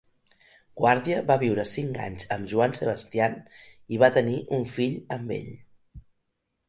Guardia va viure cinc anys amb Joan Sebastian i va tenir un fill amb ell.